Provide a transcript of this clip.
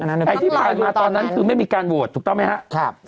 ไอ้ที่ผ่านมาตอนนั้นคือไม่มีการโหวตถูกต้องไหมครับ